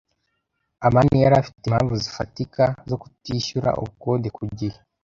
amani yari afite impamvu zifatika zo kutishyura ubukode ku gihe.